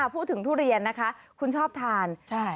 ทุเรียนนะคะคุณชอบทาน